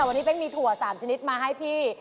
วันนี้เป๊กมีถั่ว๓ชนิดมาให้พี่